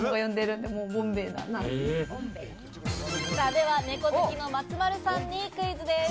では猫好きの松丸さんにクイズです。